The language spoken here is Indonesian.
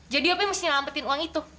jadi opi mesti ngelametin uang itu